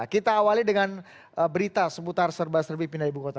kita awali dengan berita seputar serba serbi pindah ibu kota